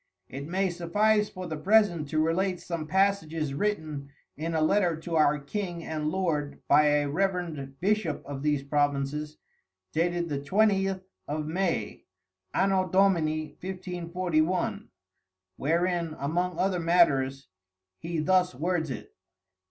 It may suffice for the present to relate some passages written in a Letter to our King and Lord by a Revernd Bishop of these Provinces, Dated the 20th of May, An. Dom. 1541. wherein among other matters he thus words it.